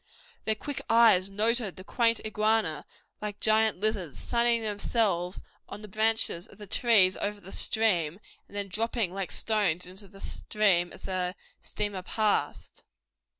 Their quick eyes noted the quaint iguana, like giant lizards, sunning themselves on the branches of the trees over the stream and then dropping like stones into the stream as the steamer passed.